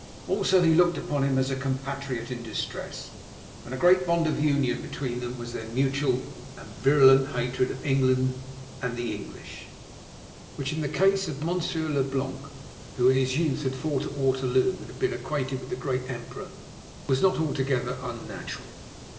Also, he looked upon him as a compatriot in distress, and a great bond of union between them was their mutual and virulent hatred of England and the English, which in the case of Monsieur Leblanc, who in his youth had fought at Waterloo and been acquainted with the great Emperor, was not altogether unnatural.